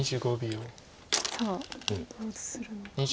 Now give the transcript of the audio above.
さあどうするのか。